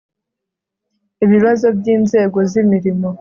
ibibazo by'inzego z'imirimo